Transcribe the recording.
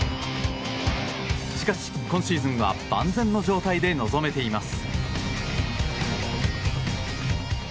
しかし、今シーズンは万全の状態で臨めています。